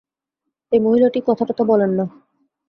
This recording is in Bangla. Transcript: এই মহিলাটি কথাটথা বলেন না।